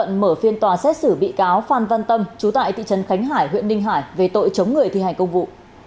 đồng thời mở phiên tòa xét xử bị cáo phan văn tâm chú tại thị trấn khánh hải huyện ninh hải về tội chống người thi hành công vụ